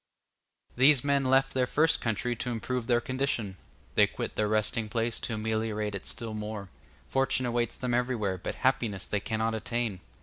These men left their first country to improve their condition; they quit their resting place to ameliorate it still more; fortune awaits them everywhere, but happiness they cannot attain.